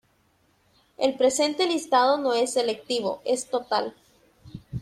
El presente listado no es selectivo, es total.